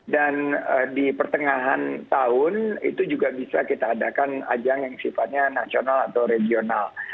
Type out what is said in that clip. dan di pertengahan tahun itu juga bisa kita adakan ajang yang sifatnya nasional atau regional